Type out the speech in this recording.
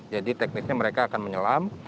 jadi teknisnya mereka akan menyelam